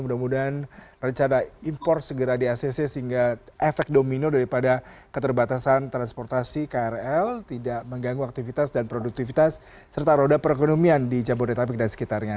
mudah mudahan rencana impor segera di acc sehingga efek domino daripada keterbatasan transportasi krl tidak mengganggu aktivitas dan produktivitas serta roda perekonomian di jabodetabek dan sekitarnya